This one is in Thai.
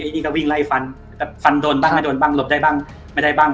นี่ก็วิ่งไล่ฟันแต่ฟันโดนบ้างไม่โดนบ้างหลบได้บ้างไม่ได้บ้าง